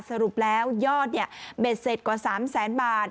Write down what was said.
สรุปแล้วยอดเบ็ดเสร็จกว่า๓แสนบาท